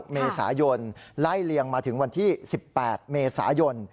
เมษายนไล่เลียงมาถึงวันที่๑๘เมษายน